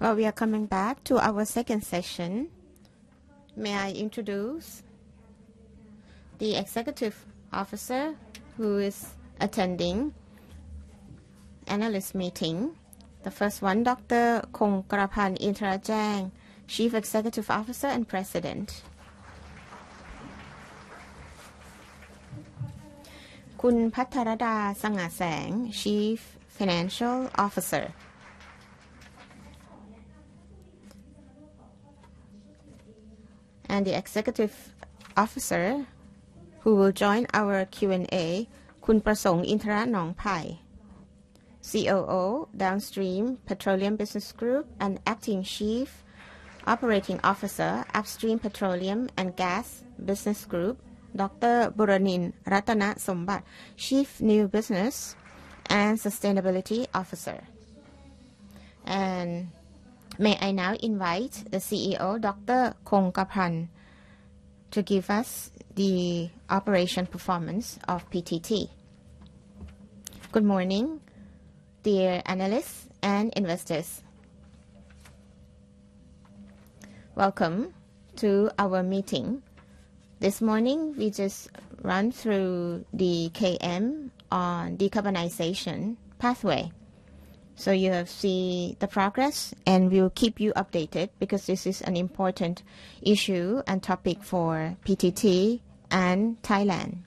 We are coming back to our second session. May I introduce the executive officer who is attending the analyst meeting? The first one, Dr. Kongkrapan Intarajang, Chief Executive Officer and President, Mrs. Pattaralada Sa-ngasang, Chief Financial Officer. The executive officer who will join our Q&A, Mr. Prasong Intaranongpai, COO Downstream Petroleum Business Group and Acting Chief Operating Officer Upstream Petroleum and Gas Business Group, Dr. Buranin Rattanasombat, Chief New Business and Sustainability Officer. May I now invite the CEO, Dr. Kongkrapan, to give us the operation performance of PTT. Good morning, dear analysts and investors. Welcome to our meeting. This morning, we just ran through the KM on decarbonization pathway. So you have seen the progress, and we will keep you updated because this is an important issue and topic for PTT and Thailand.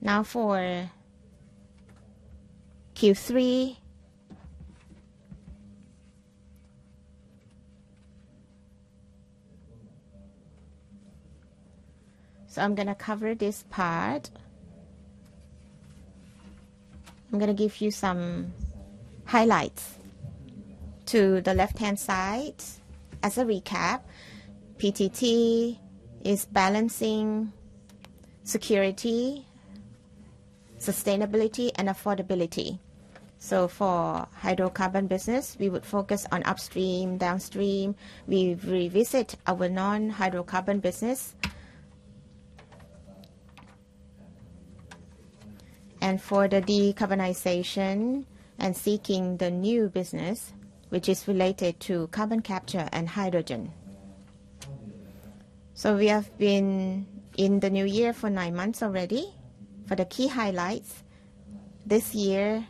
Now for Q3. So I'm going to cover this part. I'm going to give you some highlights to the left-hand side as a recap. PTT is balancing security, sustainability, and affordability, so for hydrocarbon business, we would focus on upstream, downstream. We revisit our non-hydrocarbon business, and for the decarbonization and seeking the new business, which is related to carbon capture and hydrogen, so we have been in the new year for nine months already. For the key highlights, this year,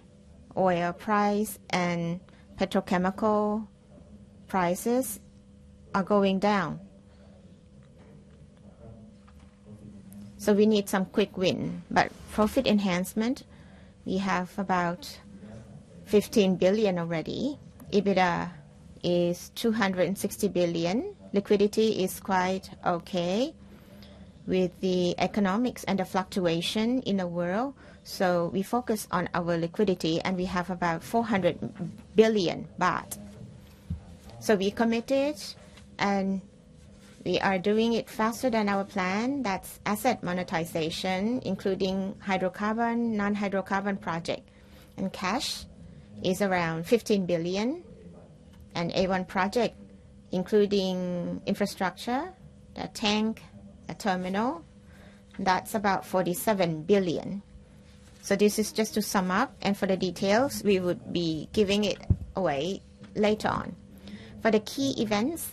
oil price and petrochemical prices are going down, so we need some quick win, but profit enhancement, we have about 15 billion already. EBITDA is 260 billion. Liquidity is quite okay with the economics and the fluctuation in the world, so we focus on our liquidity, and we have about 400 billion baht. So we committed, and we are doing it faster than our plan. That's asset monetization, including hydrocarbon, non-hydrocarbon project, and cash is around 15 billion. A1 project, including infrastructure, a tank, a terminal, that's about 47 billion. So this is just to sum up. For the details, we would be giving it away later on. For the key events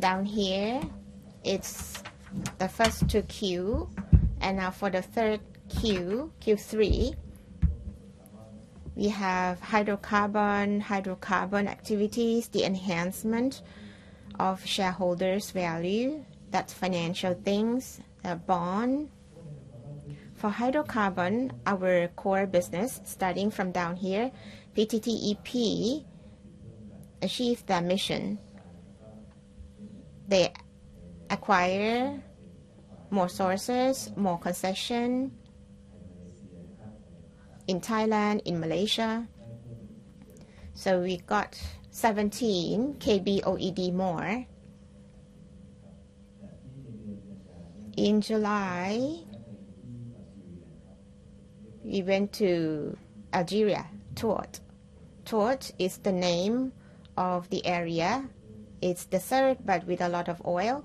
down here, it's the first two Q. For the third Q, Q3, we have hydrocarbon, hydrocarbon activities, the enhancement of shareholders' value. That's financial things, a bond. For hydrocarbon, our core business, starting from down here, PTTEP achieved their mission. They acquire more sources, more concessions in Thailand, in Malaysia. So we got 17 KBOED more. In July, we went to Algeria, Touat. Touat is the name of the area. It's desert, but with a lot of oil.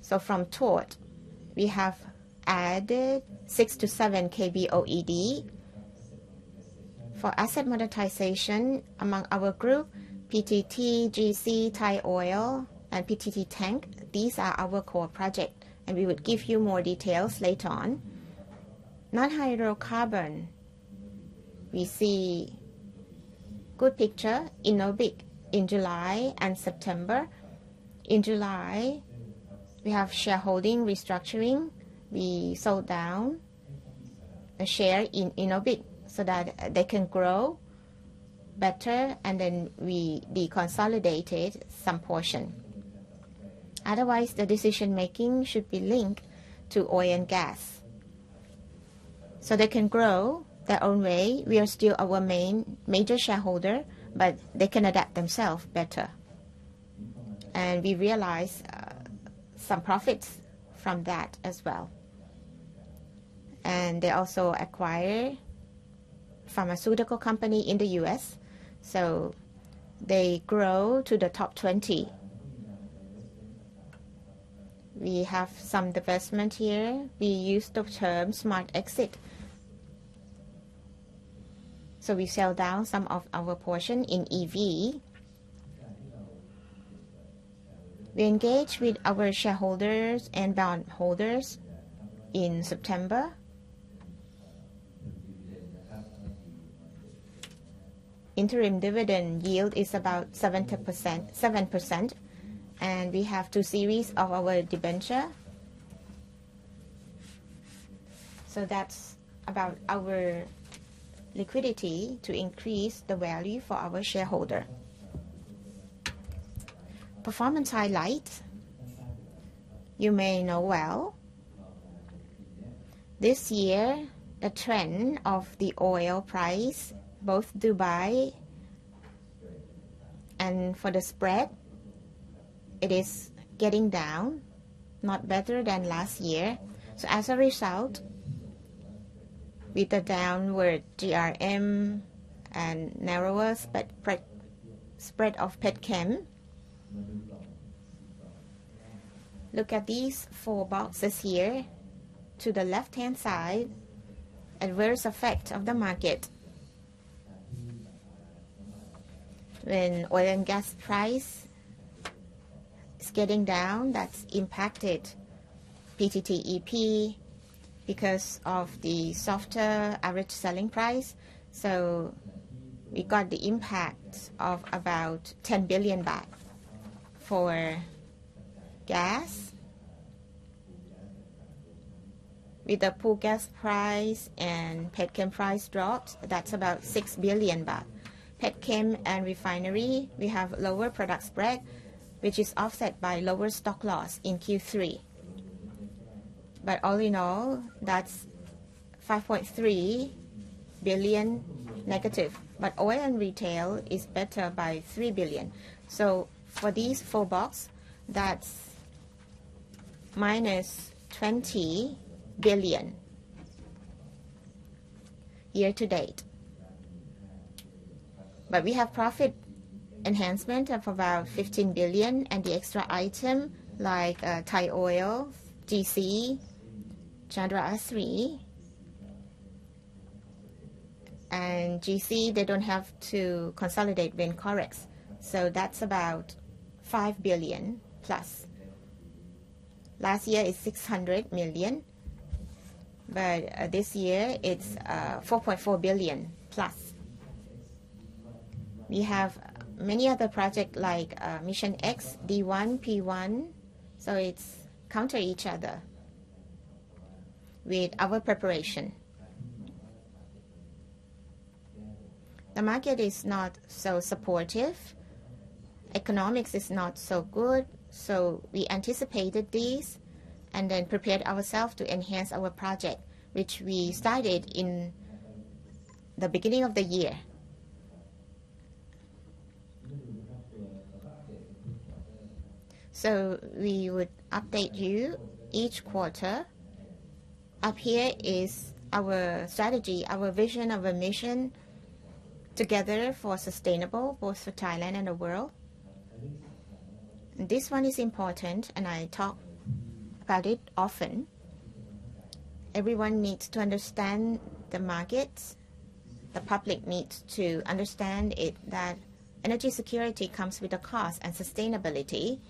So from Touat, we have added 6-7 KBOED for asset monetization among our group, PTTGC, Thai Oil and PTT Tank. These are our core projects. We would give you more details later on. Non-hydrocarbon, we see a good picture in Innobic in July and September. In July, we have shareholding restructuring. We sold down a share in Innobic so that they can grow better, and then we deconsolidated some portion. Otherwise, the decision-making should be linked to oil and gas. They can grow their own way. We are still our major shareholder, but they can adapt themselves better. We realize some profits from that as well. They also acquire a pharmaceutical company in the US, so they grow to the top 20. We have some divestment here. We used the term smart exit. We sell down some of our portion in EV. We engage with our shareholders and bondholders in September. Interim dividend yield is about 7%. We have two series of our debenture. That's about our liquidity to increase the value for our shareholder. Performance highlights, you may know well. This year, the trend of the oil price, both Dubai and for the spread, it is getting down, not better than last year. So as a result, with the downward GRM and narrower spread of petchem, look at these four boxes here to the left-hand side, adverse effect of the market. When oil and gas price is getting down, that's impacted PTTEP because of the softer average selling price. So we got the impact of about 10 billion baht for gas. With the poor gas price and petchem price dropped, that's about 6 billion baht. Petchem and refinery, we have lower product spread, which is offset by lower stock loss in Q3. But all in all, that's 5.3 billion negative, but oil and retail is better by 3 billion. So for these four box, that's -20 billion year-to-date. But we have profit enhancement of about 15 billion. And the extra item like Thai Oil, GC, Chandra Asri and GC, they don't have to consolidate when correct. So that's about 5 billion plus. Last year is 600 million. But this year, it's 4.4 billion plus. We have many other projects like Mission X, D1, P1. So it's counter each other with our preparation. The market is not so supportive. Economics is not so good. So we anticipated these and then prepared ourselves to enhance our project, which we started in the beginning of the year. So we would update you each quarter. Up here is our strategy, our vision, our mission together for sustainable, both for Thailand and the world. This one is important, and I talk about it often. Everyone needs to understand the markets. The public needs to understand that energy security comes with a cost and sustainability,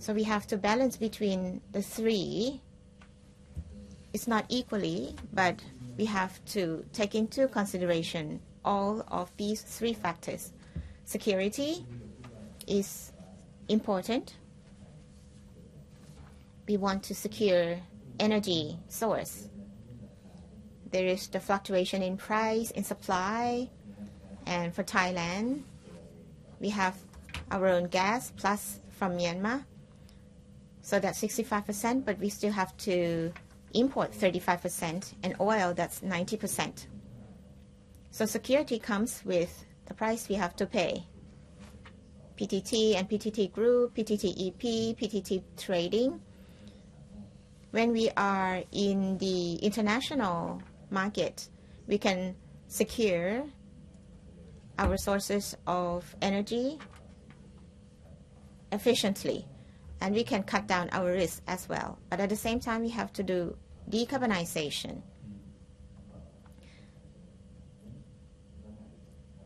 so we have to balance between the three. It's not equally, but we have to take into consideration all of these three factors. Security is important. We want to secure energy source. There is the fluctuation in price, in supply, and for Thailand, we have our own gas plus from Myanmar, so that's 65%, but we still have to import 35%, and oil, that's 90%, so security comes with the price we have to pay. PTT and PTT Group, PTTEP, PTT Trading. When we are in the international market, we can secure our sources of energy efficiently, and we can cut down our risk as well, but at the same time, we have to do decarbonization,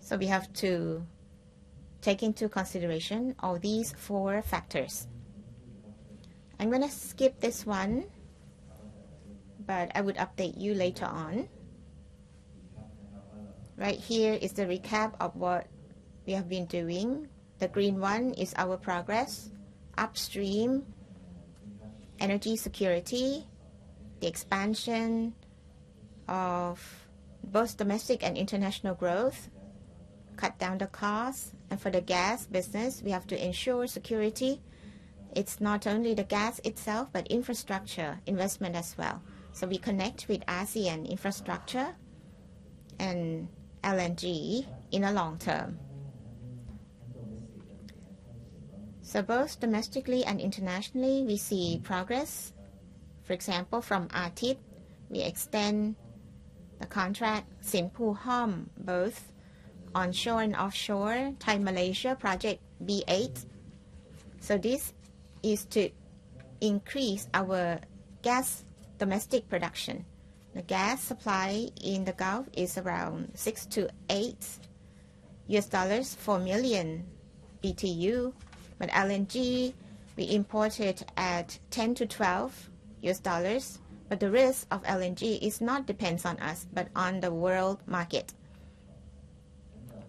so we have to take into consideration all these four factors. I'm going to skip this one, but I would update you later on. Right here is the recap of what we have been doing. The green one is our progress. Upstream energy security, the expansion of both domestic and international growth, cut down the cost. And for the gas business, we have to ensure security. It's not only the gas itself, but infrastructure investment as well. So we connect with ASEAN infrastructure and LNG in the long-term. So both domestically and internationally, we see progress. For example, from Arthit, we extend the contract Sin Phu Horm, both onshore and offshore, Thai-Malaysia project B8. So this is to increase our gas domestic production. The gas supply in the Gulf is around $6-$8 per million BTU. But LNG, we import it at $10-$12. But the risk of LNG is not depends on us, but on the world market.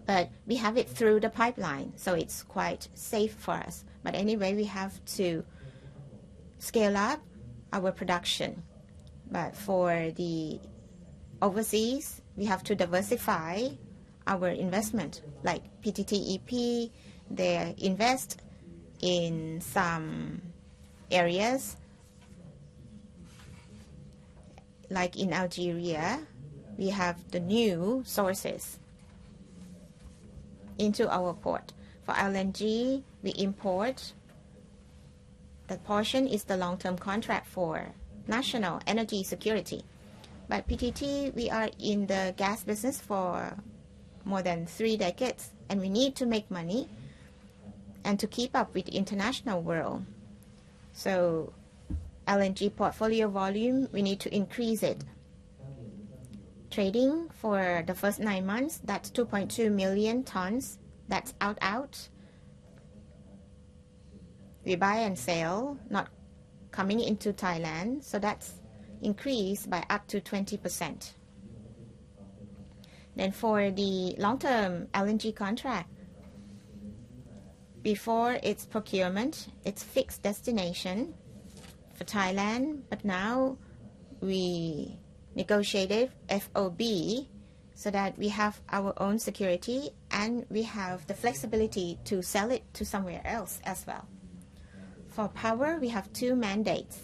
But we have it through the pipeline, so it's quite safe for us. But anyway, we have to scale up our production. But for the overseas, we have to diversify our investment. Like PTTEP, they invest in some areas. Like in Algeria, we have the new sources into our port. For LNG, we import. The portion is the long-term contract for national energy security. But PTT, we are in the gas business for more than three decades, and we need to make money and to keep up with the international world. So LNG portfolio volume, we need to increase it. Trading for the first nine months, that's 2.2 million tons. That's out, out. We buy and sell, not coming into Thailand. So that's increased by up to 20%. Then for the long-term LNG contract, before its procurement, it's fixed destination for Thailand. But now we negotiated FOB so that we have our own security and we have the flexibility to sell it to somewhere else as well. For power, we have two mandates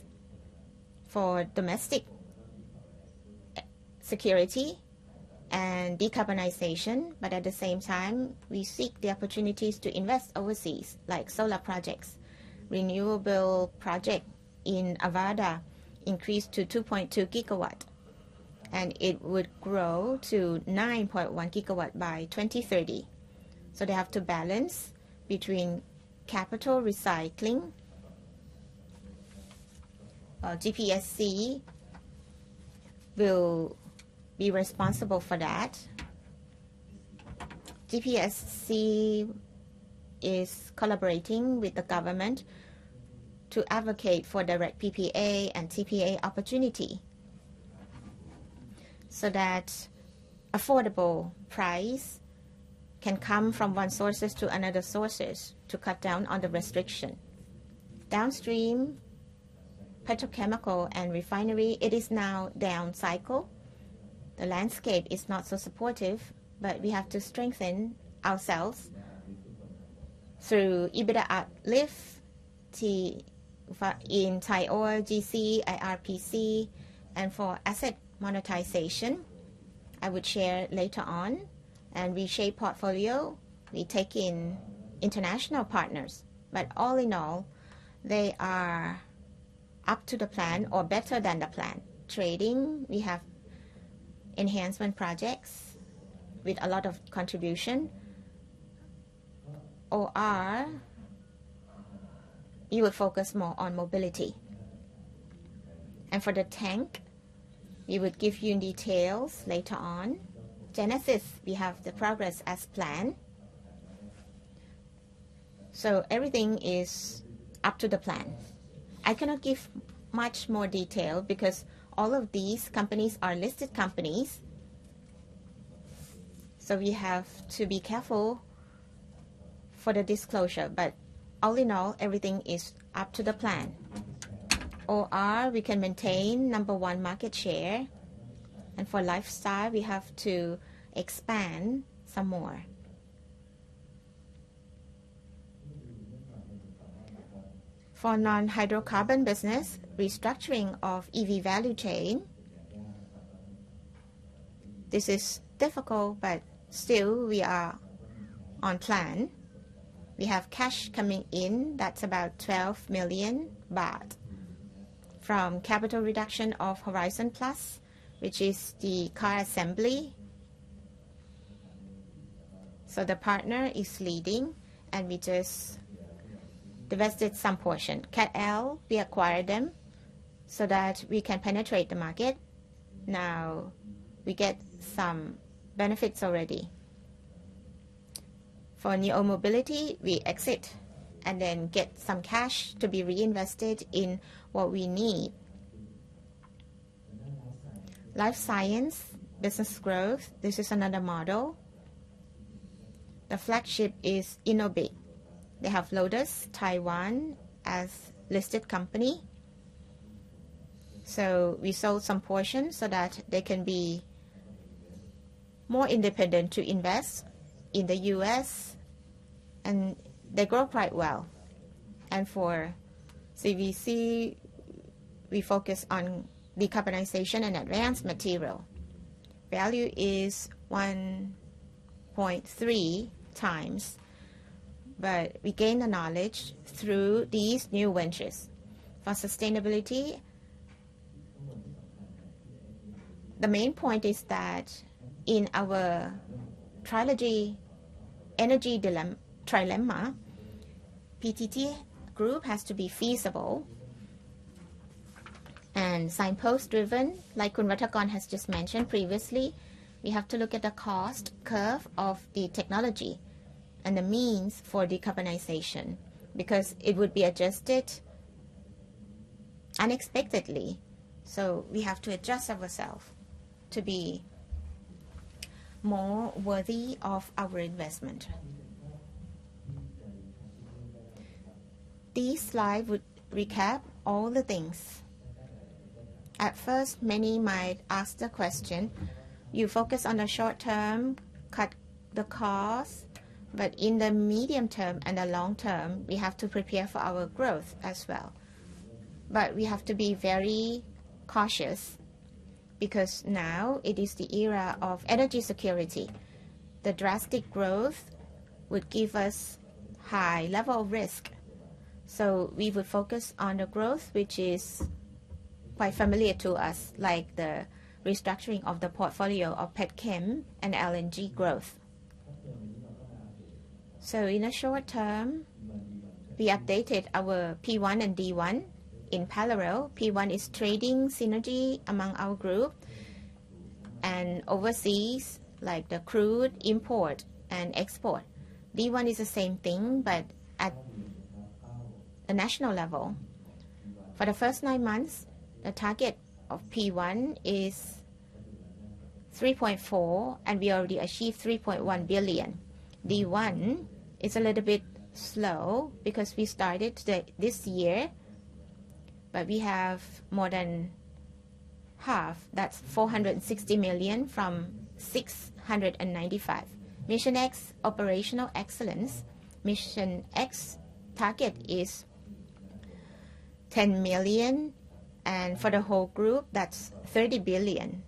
for domestic security and decarbonization. But at the same time, we seek the opportunities to invest overseas, like solar projects. Renewable project in Avaada increased to 2.2 gigawatts, and it would grow to 9.1 gigawatts by 2030. So they have to balance between capital recycling. GPSC will be responsible for that. GPSC is collaborating with the government to advocate for direct PPA and TPA opportunity so that affordable price can come from one source to another source to cut down on the restriction. Downstream petrochemical and refinery, it is now down cycle. The landscape is not so supportive, but we have to strengthen ourselves through EBITDA uplift in Thai Oil, GC, IRPC, and for asset monetization. I would share later on. And we shape portfolio. We take in international partners. But all in all, they are up to the plan or better than the plan. Trading, we have enhancement projects with a lot of contribution. OR, you would focus more on mobility. And for the tank, we would give you details later on. Genesis, we have the progress as planned. So everything is up to the plan. I cannot give much more detail because all of these companies are listed companies. So we have to be careful for the disclosure. But all in all, everything is up to the plan. OR, we can maintain number one market share. And for lifestyle, we have to expand some more. For non-hydrocarbon business, restructuring of EV value chain. This is difficult, but still we are on plan. We have cash coming in. That's about 12 million baht from capital reduction of Horizon Plus, which is the car assembly. So the partner is leading, and we just divested some portion. CATL, we acquired them so that we can penetrate the market. Now we get some benefits already. For new mobility, we exit and then get some cash to be reinvested in what we need. Life science, business growth. This is another model. The flagship is Innobic. They have Lotus, Taiwan as listed company. So we sold some portion so that they can be more independent to invest in the US, and they grow quite well. For CVC, we focus on decarbonization and advanced material. Value is 1.3 times, but we gain the knowledge through these new ventures. For sustainability, the main point is that in our energy trilemma, PTT Group has to be feasible and signpost-driven. Like Kunratakon has just mentioned previously, we have to look at the cost curve of the technology and the means for decarbonization because it would be adjusted unexpectedly, so we have to adjust ourselves to be more worthy of our investment. This slide would recap all the things. At first, many might ask the question, "You focus on the short term, cut the cost," but in the medium term and the long-term, we have to prepare for our growth as well, but we have to be very cautious because now it is the era of energy security. The drastic growth would give us high level of risk. So we would focus on the growth, which is quite familiar to us, like the restructuring of the portfolio of petchem and LNG growth. So in the short term, we updated our P1 and D1 in parallel. P1 is trading synergy among our group and overseas, like the crude import and export. D1 is the same thing, but at the national level. For the first nine months, the target of P1 is 3.4 billion, and we already achieved 3.1 billion. D1 is a little bit slow because we started this year, but we have more than half. That's 460 million from 695 million. Mission X, operational excellence. Mission X target is 10 million. And for the whole group, that's 30 billion.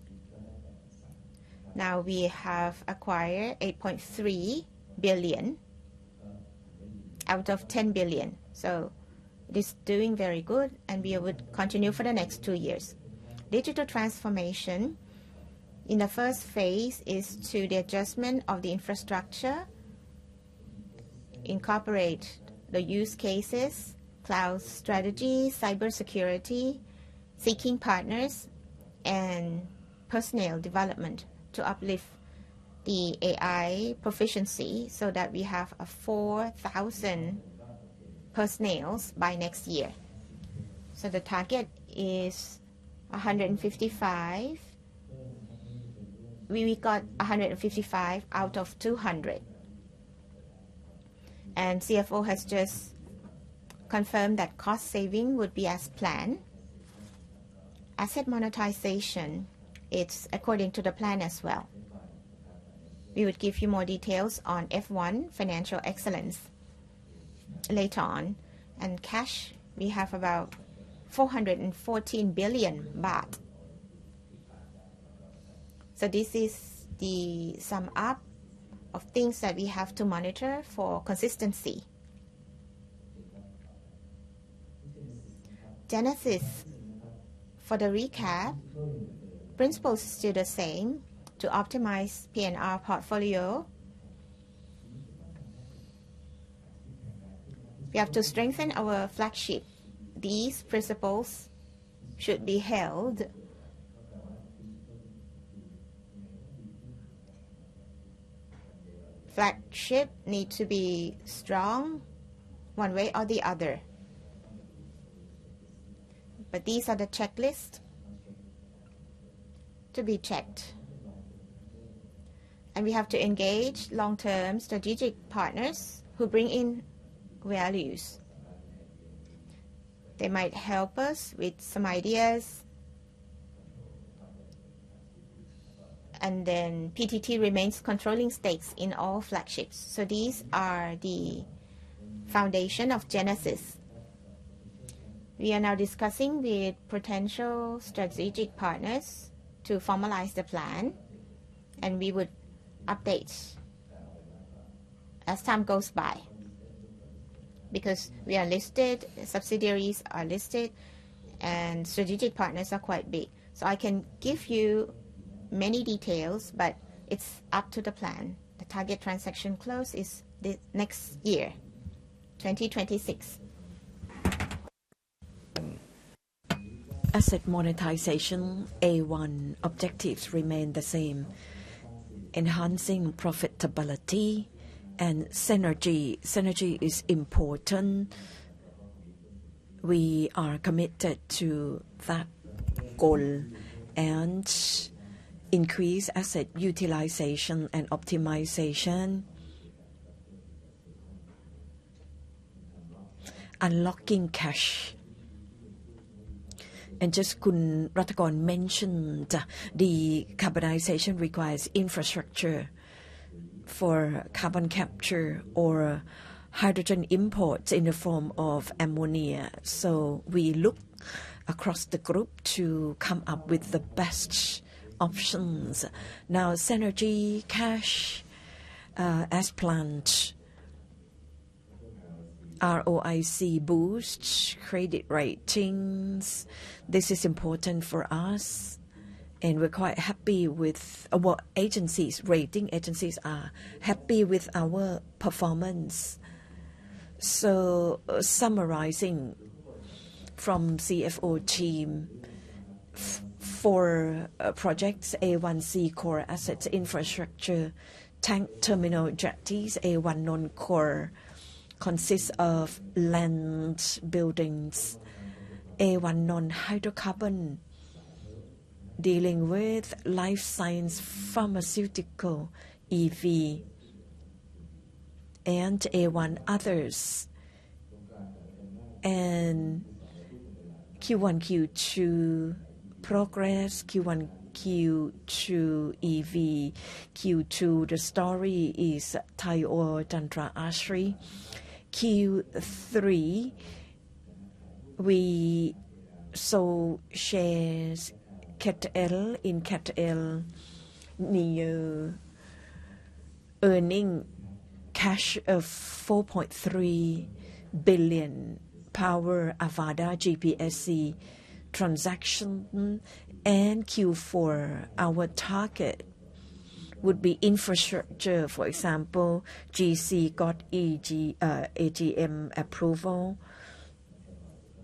Now we have acquired 8.3 billion out of 10 billion. So it is doing very good, and we would continue for the next two years. Digital transformation. In the first phase is to the adjustment of the infrastructure, incorporate the use cases, cloud strategy, cybersecurity, seeking partners, and personnel development to uplift the AI proficiency so that we have 4,000 personnel by next year. So the target is 155. We got 155 out of 200. And CFO has just confirmed that cost saving would be as planned. Asset monetization, it's according to the plan as well. We would give you more details on F1 financial excellence later on. And cash, we have about 414 billion baht. So this is the sum up of things that we have to monitor for consistency. Genesis. For the recap, principles are still the same. To optimize PNR portfolio, we have to strengthen our flagship. These principles should be held. Flagship needs to be strong one way or the other. But these are the checklists to be checked. We have to engage long-term strategic partners who bring in values. They might help us with some ideas. And then PTT remains controlling stakes in all flagships. So these are the foundation of Genesis. We are now discussing with potential strategic partners to formalize the plan, and we would update as time goes by because we are listed, subsidiaries are listed, and strategic partners are quite big. So I can give you many details, but it's up to the plan. The target transaction close is next year, 2026. Asset monetization, A1 objectives remain the same. Enhancing profitability and synergy. Synergy is important. We are committed to that goal and increase asset utilization and optimization. Unlocking cash. And just Rattakung mentioned the decarbonization requires infrastructure for carbon capture or hydrogen imports in the form of ammonia. So we look across the group to come up with the best options. Now, synergy, cash as planned. ROIC boost, credit ratings. This is important for us, and we're quite happy with what agencies, rating agencies, are happy with our performance. Summarizing from CFO team for projects A1C core asset infrastructure, tank terminal jetties, A1 non-core consists of land buildings, A1 non-hydrocarbon, dealing with life science, pharmaceutical, EV, and A1 others. And Q1, Q2 progress, Q1, Q2 EV, Q2. The story is Thai Oil, Chandra Asri. Q3, we sold shares in CATL. New earning cash of 4.3 billion. Power Avaada GPSC transaction. And Q4, our target would be infrastructure, for example, GC got AGM approval.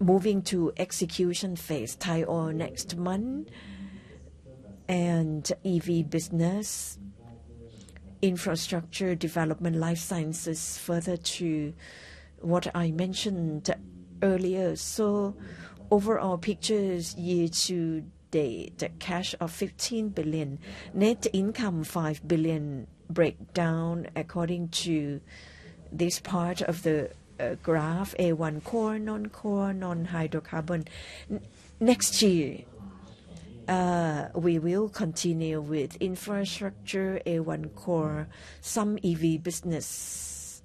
Moving to execution phase, Thai Oil next month and EV business, infrastructure development, life sciences further to what I mentioned earlier. So, overall picture year to date, cash of 15 billion, net income 5 billion breakdown according to this part of the graph, A1 core, non-core, non-hydrocarbon. Next year, we will continue with infrastructure, A1 core, some EV business,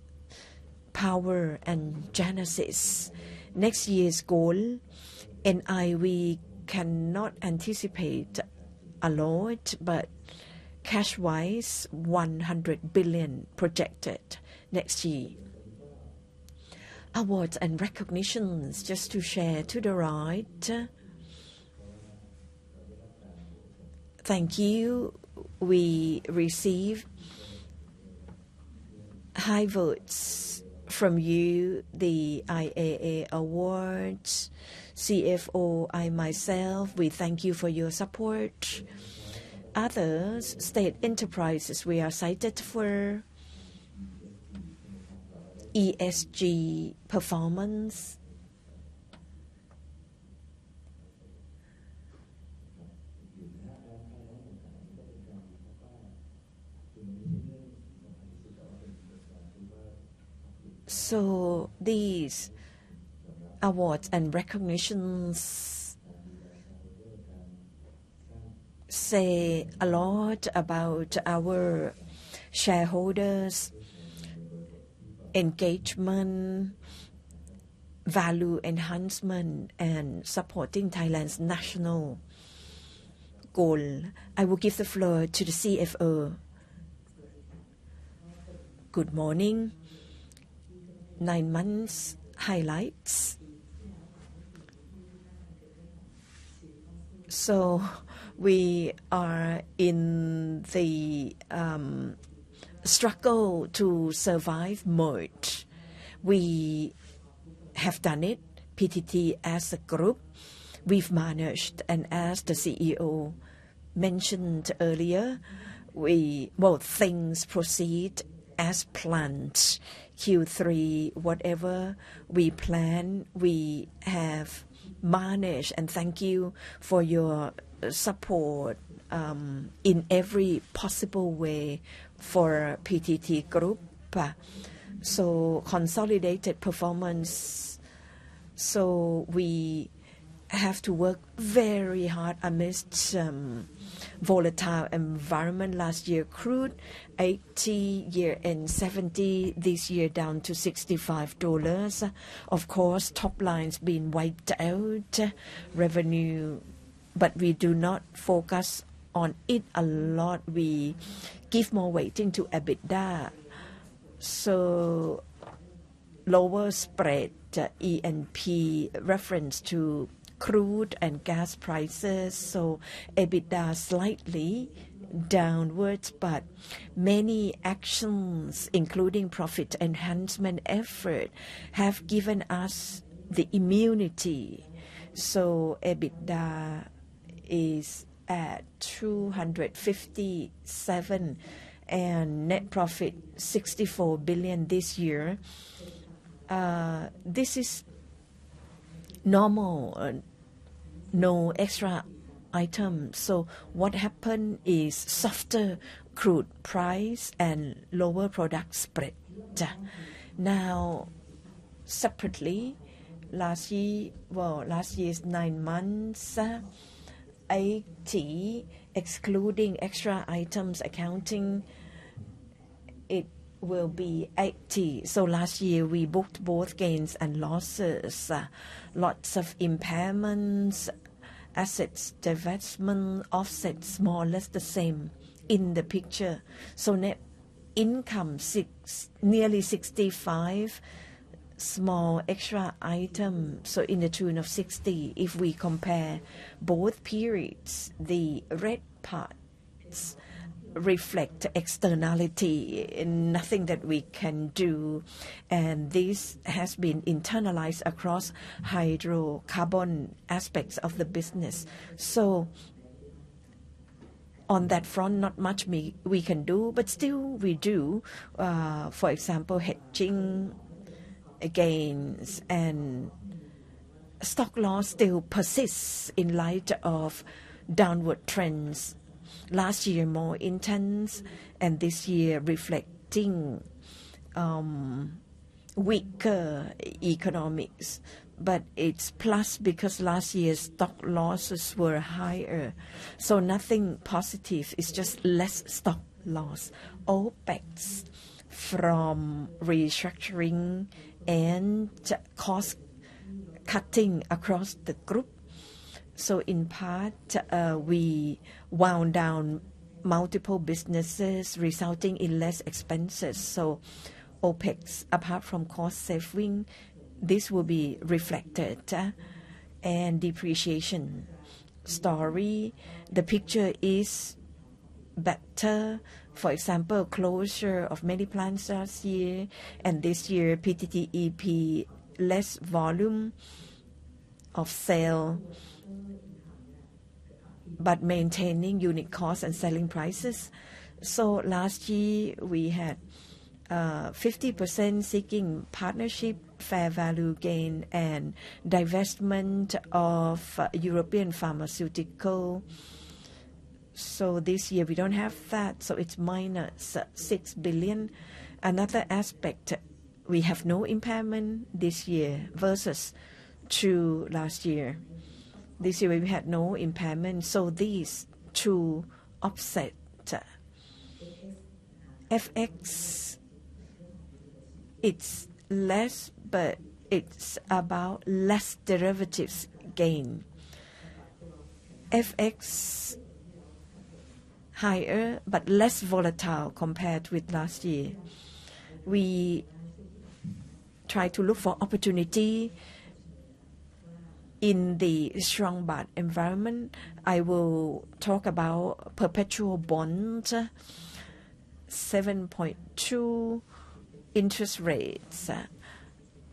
power, and Genesis. Next year's goal, NI we cannot anticipate a lot, but cash-wise, 100 billion projected next year. Awards and recognitions, just to share to the right. Thank you. We receive high votes from you, the IAA awards, CFO, I myself, we thank you for your support. Others, state enterprises, we are cited for ESG performance. These awards and recognition say a lot about our shareholders' engagement, value enhancement, and supporting Thailand's national goal. I will give the floor to the CFO. Good morning. Nine months highlights. We are in the struggle to survive mode. We have done it. PTT as a group, we've managed, and as the CEO mentioned earlier, well, things proceed as planned. Q3, whatever we plan, we have managed, and thank you for your support in every possible way for PTT Group. So consolidated performance. So we have to work very hard amidst volatile environment. Last year, crude $80, year-end $70, this year down to $65. Of course, top lines being wiped out, revenue, but we do not focus on it a lot. We give more weighting to EBITDA. So lower spread, ENP reference to crude and gas prices. So EBITDA slightly downwards, but many actions, including profit enhancement effort, have given us the immunity. So EBITDA is at 257 billion and net profit 64 billion this year. This is normal, no extra item. So what happened is softer crude price and lower product spread. Now, separately, last year. Well, last year's nine months 80, excluding extra items accounting. It will be 80. So last year, we booked both gains and losses, lots of impairments, assets divestment, offsets, more or less the same in the picture. So net income nearly 65, small extra item, so in the tune of 60. If we compare both periods, the red parts reflect externalities, nothing that we can do. And this has been internalized across hydrocarbon aspects of the business. So on that front, not much we can do, but still we do. For example, hedging gains and stock loss still persists in light of downward trends. Last year, more intense, and this year reflecting weaker economics. But it's plus because last year's stock losses were higher. So nothing positive. It's just less stock loss, all packs from restructuring and cost cutting across the group. In part, we wound down multiple businesses, resulting in less expenses. OpEx, apart from cost saving, this will be reflected and depreciation story. The picture is better. For example, closure of many plants last year, and this year, PTTEP, less volume of sale, but maintaining unit costs and selling prices. Last year, we had 50% seeking partnership, fair value gain, and divestment of European pharmaceutical. This year, we don't have that. So it's minus 6 billion. Another aspect, we have no impairment this year versus last year. This year, we had no impairment. These two offset. FX, it's less, but it's about less derivatives gain. FX, higher, but less volatile compared with last year. We try to look for opportunity in the strong bond environment. I will talk about perpetual bond, 7.2% interest rates.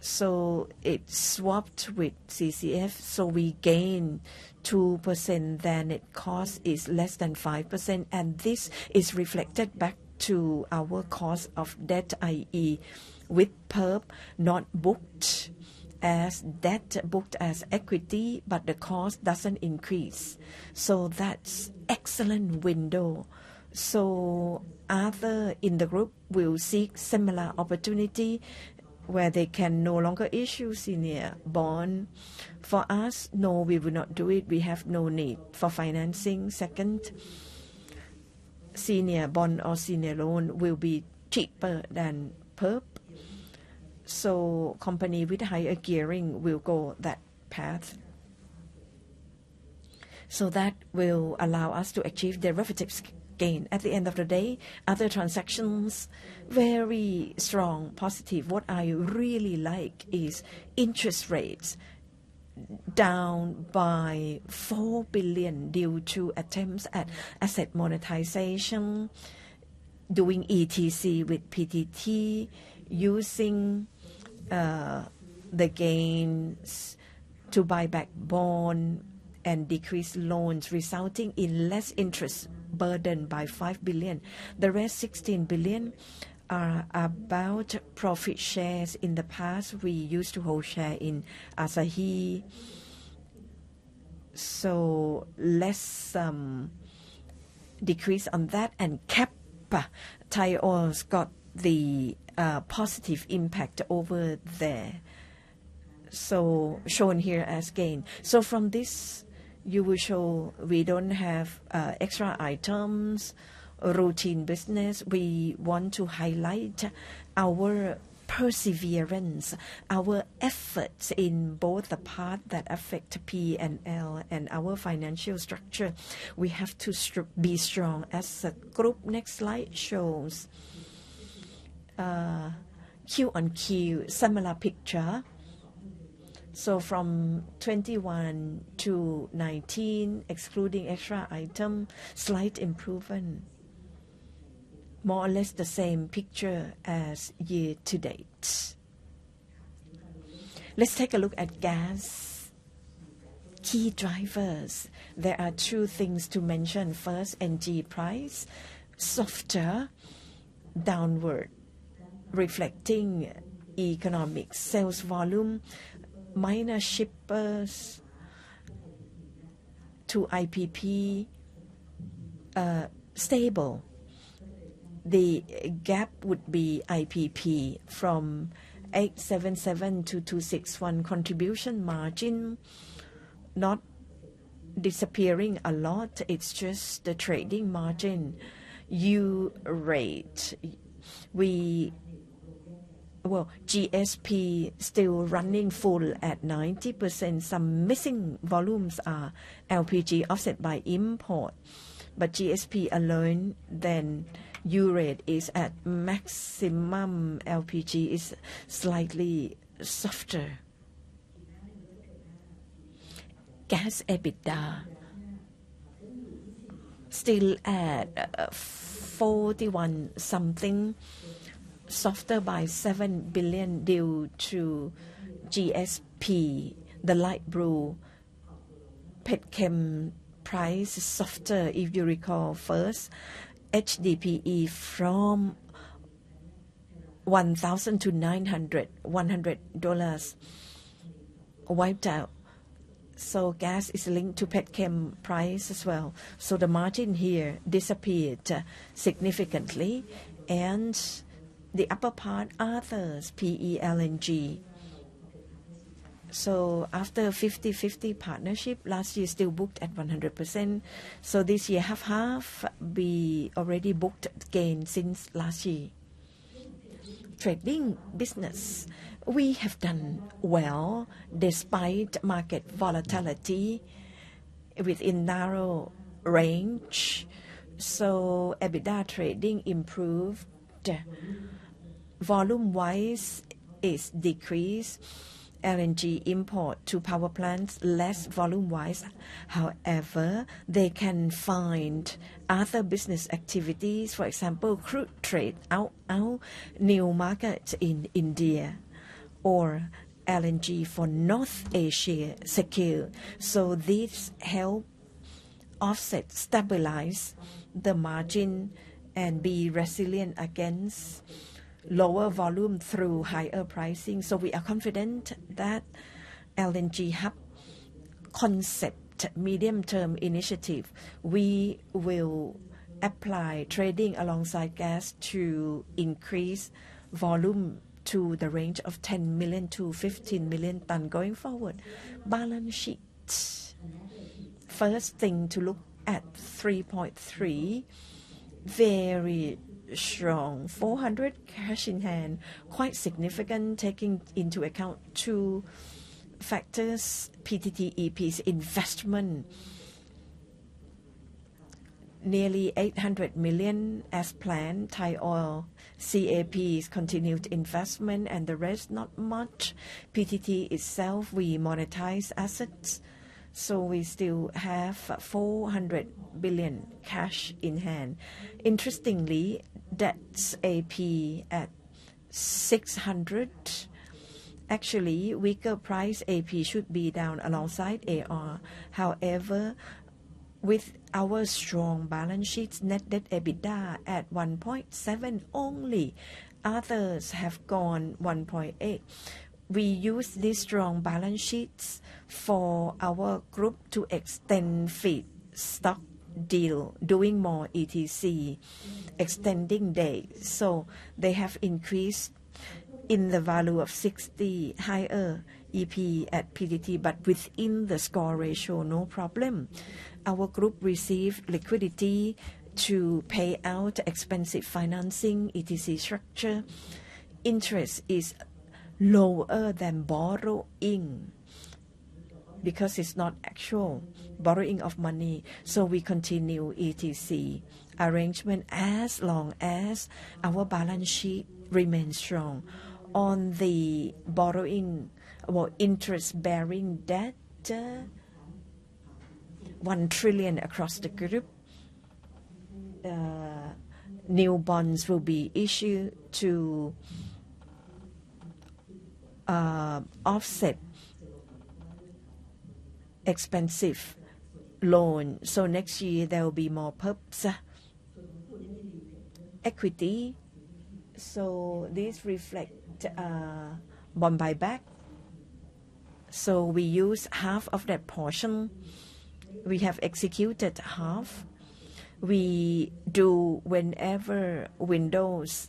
So it's swapped with CCS, so we gain 2%, then its cost is less than 5%, and this is reflected back to our cost of debt, i.e., with PERP, not booked as debt, booked as equity, but the cost doesn't increase. So that's excellent window. So others in the group will seek similar opportunity where they can no longer issue senior bond. For us, no, we will not do it. We have no need for financing. Second, senior bond or senior loan will be cheaper than PERP. So company with higher gearing will go that path. So that will allow us to achieve derivatives gain. At the end of the day, other transactions, very strong, positive. What I really like is interest rates down by 4 billion due to attempts at asset monetization, doing ETC with PTT, using the gains to buy back bond and decrease loans, resulting in less interest burden by 5 billion. The rest, 16 billion, are about profit shares in the past. We used to hold share in Asahi. So less decrease on that, and CAP, Thai Oil's got the positive impact over there, so shown here as gain. So from this, you will show we don't have extra items, routine business. We want to highlight our perseverance, our efforts in both the part that affect P&L and our financial structure. We have to be strong as a group. Next slide shows Q-on-Q, similar picture. So from 21 to 19, excluding extra item, slight improvement. More or less the same picture as year to date. Let's take a look at gas. Key drivers. There are two things to mention. First, NG price, softer downward, reflecting economic sales volume, minor shippers to IPP, stable. The gap would be IPP from 877 to 261 contribution margin, not disappearing a lot. It's just the trading margin. U-rate. Well, GSP still running full at 90%. Some missing volumes are LPG offset by import, but GSP alone, then U-rate is at maximum. LPG is slightly softer. Gas EBITDA still at 41 something, softer by 7 billion due to GSP, the light blue. Pet chem price is softer, if you recall. First, HDPE from $1,000 to $900, $100 wiped out. So gas is linked to pet chem price as well. So the margin here disappeared significantly. And the upper part, others, PE, LNG. So after 50-50 partnership, last year still booked at 100%. So this year, half-half, we already booked gain since last year. Trading business, we have done well despite market volatility within narrow range. So EBITDA trading improved. Volume-wise is decreased. LNG import to power plants, less volume-wise. However, they can find other business activities, for example, crude trade out, new markets in India, or LNG for North Asia secure. So this helps offset, stabilize the margin and be resilient against lower volume through higher pricing. So we are confident that LNG hub concept, medium-term initiative, we will apply trading alongside gas to increase volume to the range of 10-15 million tons going forward. Balance sheet. First thing to look at, 3.3, very strong, 400 billion cash in hand, quite significant, taking into account two factors, PTTEP's investment, nearly 800 million as planned, Thai Oil capex continued investment, and the rest, not much. PTT itself, we monetize assets. So we still have 400 billion cash in hand. Interestingly, debt's AP at 600 billion. Actually, weaker price AP should be down alongside AR. However, with our strong balance sheets, net debt EBITDA at 1.7 only. Others have gone 1.8. We use these strong balance sheets for our group to extend feedstock deal, doing more ETC, extending days. So they have increased in the value of 60, higher AP at PTT, but within the core ratio, no problem. Our group received liquidity to pay out expensive financing, ETC structure. Interest is lower than borrowing because it's not actual borrowing of money. So we continue ETC arrangement as long as our balance sheet remains strong. On the borrowing, well, interest-bearing debt, 1 trillion across the group. New bonds will be issued to offset expensive loan. So next year, there will be more PERPs, equity. So these reflect bond buyback. We use half of that portion. We have executed half. We do whenever windows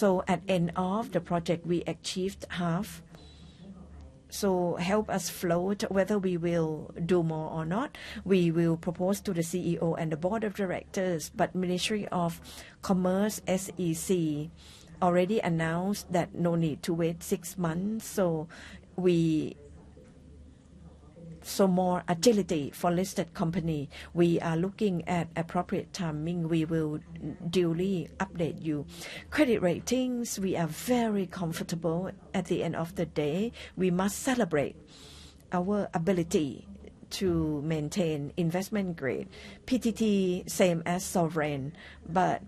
allow. At the end of the project, we achieved half. We'll float whether we will do more or not. We will propose to the CEO and the board of directors, but Ministry of Commerce, SEC, already announced that no need to wait six months. More agility for listed company. We are looking at appropriate timing. We will duly update you. Credit ratings, we are very comfortable at the end of the day. We must celebrate our ability to maintain investment grade. PTT, same as sovereign, but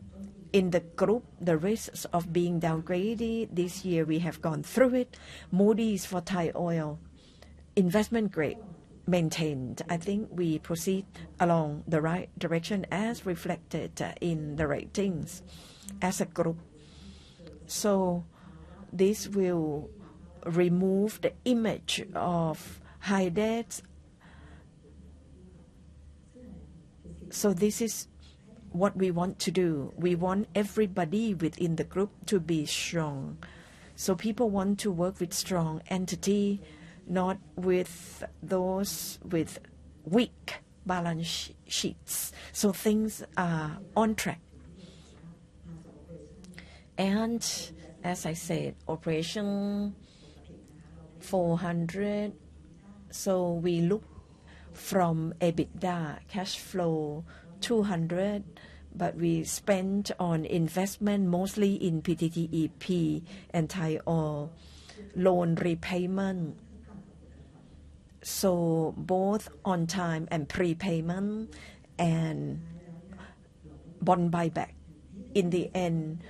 in the group, the risks of being downgraded this year, we have gone through it. Moody's for Thai Oil, investment grade maintained. I think we proceed along the right direction as reflected in the ratings as a group. So this will remove the image of high debt. So this is what we want to do. We want everybody within the group to be strong. So people want to work with strong entity, not with those with weak balance sheets. So things are on track. And as I said, operation 400 billion. So we look from EBITDA, cash flow 200, but we spend on investment mostly in PTTEP and Thai Oil, loan repayment. So both on time and prepayment and bond buyback. In the end,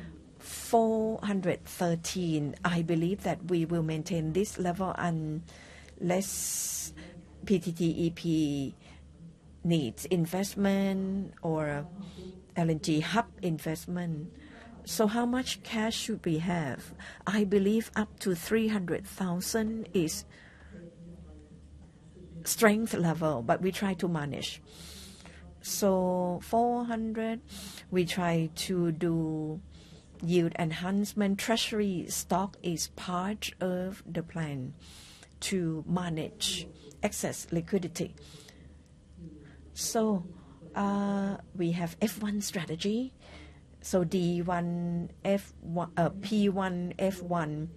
413, I believe that we will maintain this level unless PTTEP needs investment or LNG hub investment. So how much cash should we have? I believe up to 300,000 is strength level, but we try to manage. So 400, we try to do yield enhancement. Treasury stock is part of the plan to manage excess liquidity. We have F1 strategy, so D1, P1, F1,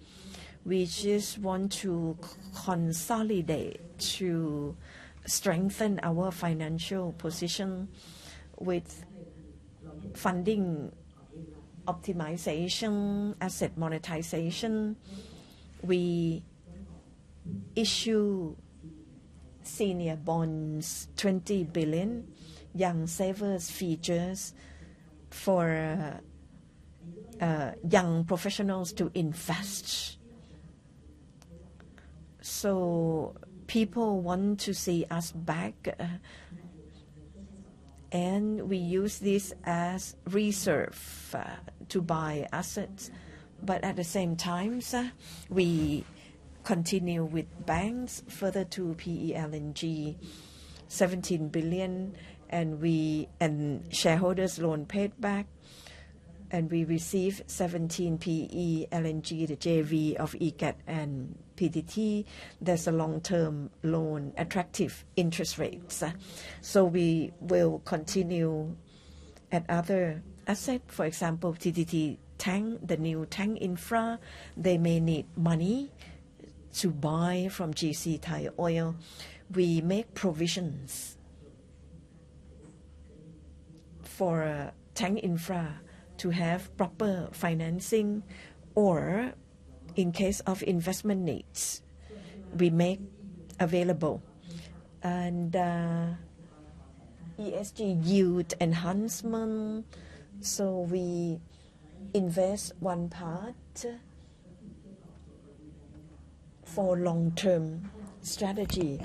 which is want to consolidate to strengthen our financial position with funding optimization, asset monetization. We issue senior bonds, 20 billion, young savers features for young professionals to invest. People want to see us back, and we use this as reserve to buy assets. At the same time, we continue with banks further to PE LNG, 17 billion, and shareholders loan paid back, and we receive 17 billion PE LNG, the JV of EGAT and PTT. There's a long-term loan, attractive interest rates. We will continue at other assets. For example, PTT Tank, the new tank infra, they may need money to buy from GC, Thai Oil. We make provisions for tank infra to have proper financing or in case of investment needs, we make available. ESG yield enhancement, so we invest one part for long-term strategy.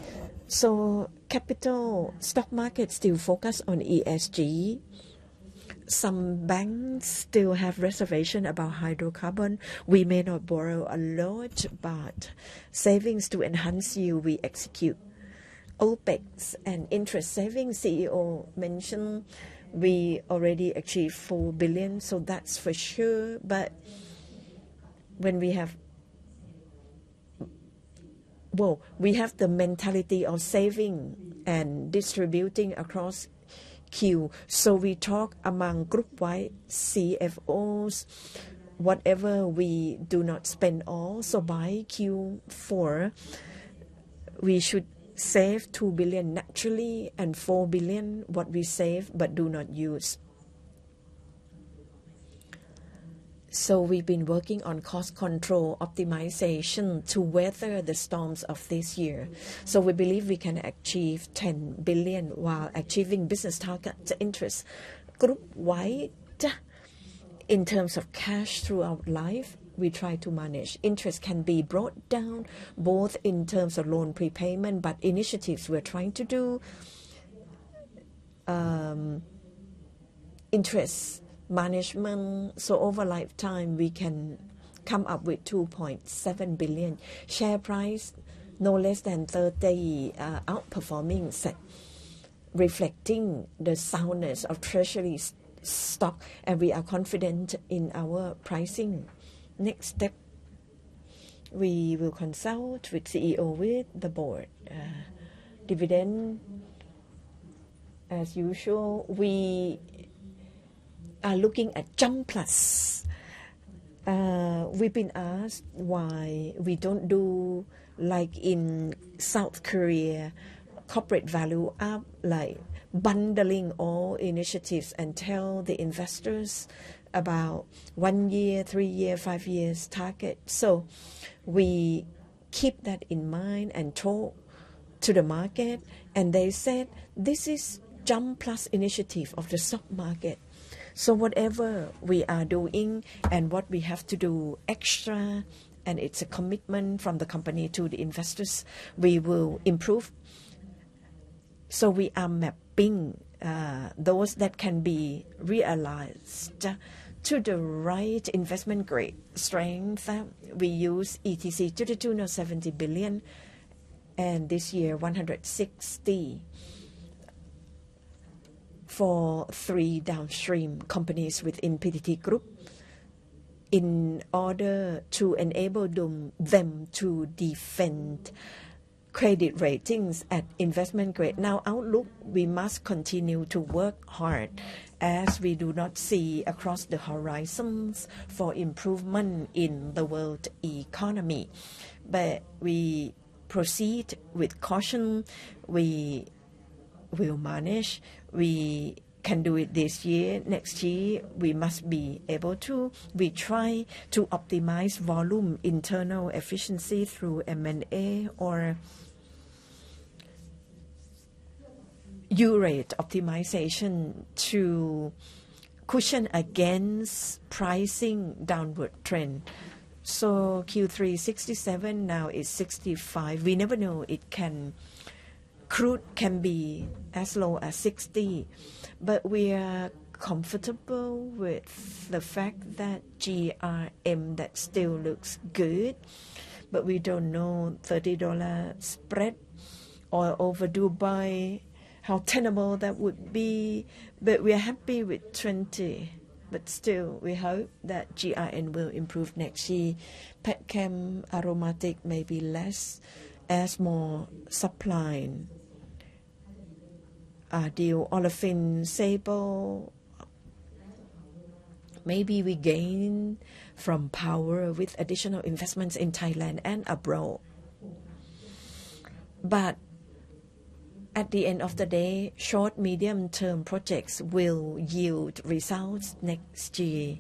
So the capital stock market still focuses on ESG. Some banks still have reservations about hydrocarbons. We may not borrow a lot, but savings to enhance yield, we execute. OpEx and interest savings, the CEO mentioned we already achieved four billion, so that's for sure. But when we have, well, we have the mentality of saving and distributing across the group. So we talk among group-wide CFOs, whatever we do not spend all. So by Q4, we should save two billion naturally and four billion what we save, but do not use. So we've been working on cost control optimization to weather the storms of this year. So we believe we can achieve 10 billion while achieving business targets. Interest. Group-wide, in terms of cash throughout the life, we try to manage. Interest can be brought down both in terms of loan prepayment, but initiatives we're trying to do, interest management. So over lifetime, we can come up with 2.7 billion. Share price, no less than 30 outperforming set, reflecting the soundness of treasury stock, and we are confident in our pricing. Next step, we will consult with CEO with the board. Dividend, as usual, we are looking at JUMP+. We've been asked why we don't do like in South Korea, corporate value up, like bundling all initiatives and tell the investors about one year, three years, five years target. So we keep that in mind and talk to the market, and they said, "This is JUMP+ initiative of the stock market." So whatever we are doing and what we have to do extra, and it's a commitment from the company to the investors, we will improve. So we are mapping those that can be realized to the right investment grade strength. We use ETC 22, 70 billion, and this year, 160 billion for three downstream companies within PTT Group in order to enable them to defend credit ratings at investment grade. Now, outlook, we must continue to work hard as we do not see across the horizons for improvement in the world economy. But we proceed with caution. We will manage. We can do it this year. Next year, we must be able to. We try to optimize volume, internal efficiency through M&A or U-rate optimization to cushion against pricing downward trend. So Q3, 67, now is 65. We never know, crude can be as low as $60, but we are comfortable with the fact that GRM still looks good, but we don't know $30 spread over Dubai, how tenable that would be. But we are happy with 20, but still we hope that GRM will improve next year. Petchem aromatics may be less as more supply. Deal Olefins, Sable, maybe we gain from power with additional investments in Thailand and abroad. But at the end of the day, short, medium-term projects will yield results next year.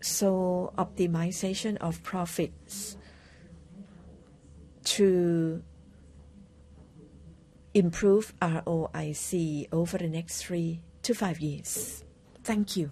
So optimization of profits to improve ROIC over the next three-to-five years. Thank you.